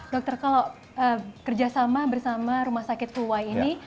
dokter kalau kerjasama bersama rumah sakit kuwai ini